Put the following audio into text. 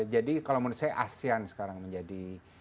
jadi kalau menurut saya asean sekarang menjadi